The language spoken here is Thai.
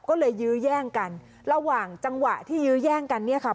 ก็เลยยื้อแย่งกันระหว่างจังหวะที่ยื้อแย่งกันเนี่ยค่ะ